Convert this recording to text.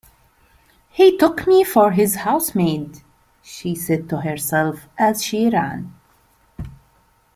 ‘He took me for his housemaid,’ she said to herself as she ran.